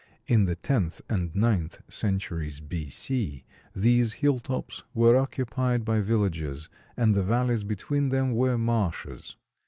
In the tenth and ninth centuries B. C. these hilltops were occupied by villages and the valleys between them were marshes.